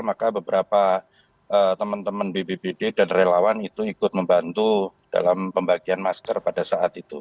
maka beberapa teman teman bbbd dan relawan itu ikut membantu dalam pembagian masker pada saat itu